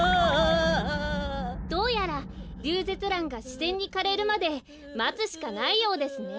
どうやらリュウゼツランがしぜんにかれるまでまつしかないようですね。